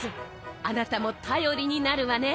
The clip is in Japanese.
あなたも頼りになるわね。